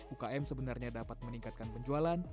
ukm sebenarnya dapat meningkatkan penjualan